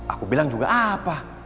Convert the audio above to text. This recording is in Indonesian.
aku bilang juga apa